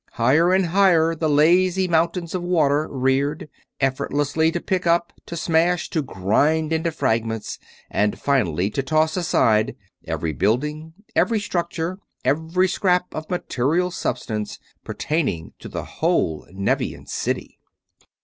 Higher and higher the lazy mountains of water reared; effortlessly to pick up, to smash, to grind into fragments, and finally to toss aside every building, every structure, every scrap of material substance pertaining to the whole Nevian city.